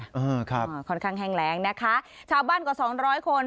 อืมครับค่อนข้างแห้งแรงนะคะชาวบ้านกว่า๒๐๐คน